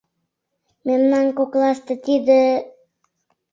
— Мемнан коклаште тиде...